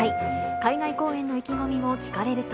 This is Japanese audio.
海外公演の意気込みを聞かれると。